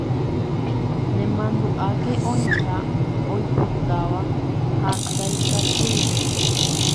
Nemandu'áke oĩha oipotáva ha ndaikatúiva.